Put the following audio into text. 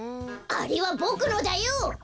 あれはボクのだよ！